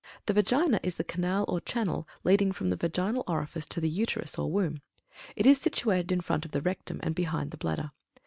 THE VAGINA is the canal or channel leading from the Vaginal Orifice to the Uterus or womb. It is situated in front of the rectum, and behind the bladder.